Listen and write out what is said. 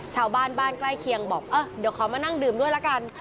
ชาวบ้านบ้านใกล้เคียงบอกเออเดี๋ยวขอมานั่งดื่มด้วยละกัน